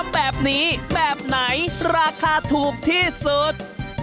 แบบนี้แบบไหนราคาถูกที่สุด